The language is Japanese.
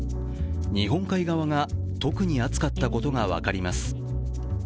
日本海側が特に暑かったことが分かります。